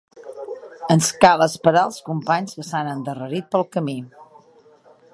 Ens cal esperar els companys que s'han endarrerit pel camí.